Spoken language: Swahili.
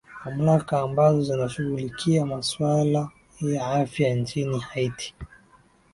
mamlaka ambazo zinashughulikia maswala ya afya nchini haiti